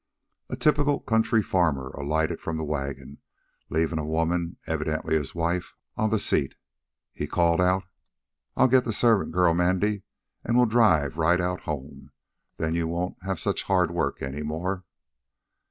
A typical country farmer alighted from the wagon, leaving a woman, evidently his wife, or the seat. He called out: "I'll git th' servant gal, 'Mandy, an' we'll drive right out hum. Then you won't have such hard work any more."